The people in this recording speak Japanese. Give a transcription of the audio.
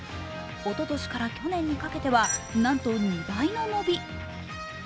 おととしから去年にかけてはなんと２倍の伸び。